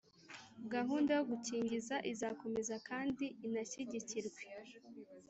gahunda yo gukingiza izakomeza kandi inashyigikirwe